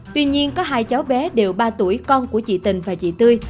tuy nhiên có hai cháu bé đều ba tuổi con của chị tình và chị tươi